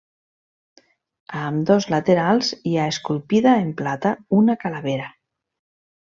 A ambdós laterals hi ha esculpida en plata una calavera.